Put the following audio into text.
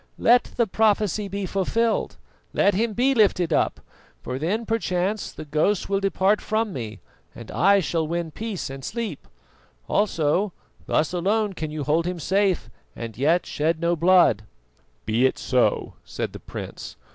Let the prophecy be fulfilled, let him be lifted up, for then perchance the ghosts will depart from me and I shall win peace and sleep. Also, thus alone can you hold him safe and yet shed no blood." "Be it so," said the prince.